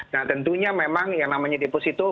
nah tentunya memang yang namanya deposito